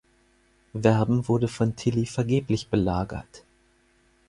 Werben wurde von Tilly vergeblich belagert.